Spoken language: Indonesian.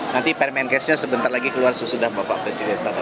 nanti permenkesnya sebentar lagi keluar sesudah bapak presiden